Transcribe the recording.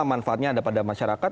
manfaatnya ada pada masyarakat